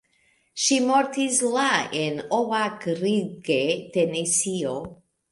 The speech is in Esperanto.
Ŝi mortis la en Oak Ridge, Tenesio.